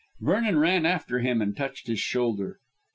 Vernon ran after him and touched his shoulder.